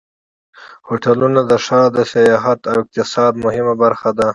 هوټلونه د ښار د سیاحت او اقتصاد مهمه برخه دي.